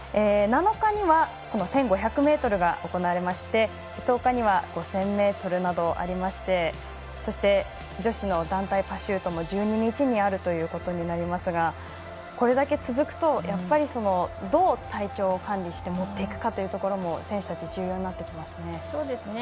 ７日には１５００ｍが行われまして１０日には５０００ｍなどありましてそして、女子の団体パシュートも１２日にあるということになりますがこれだけ続くとどう体調を管理して持っていくかというところも選手たち重要になってきますね。